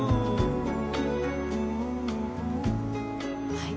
はい。